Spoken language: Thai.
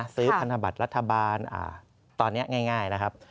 ธนบัตรรัฐบาลตอนนี้ง่ายนะครับ